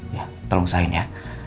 ya tolong usahain ya